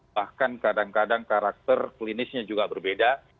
bahkan kadang kadang karakter klinisnya juga berbeda